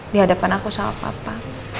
di hadapan aku sama papa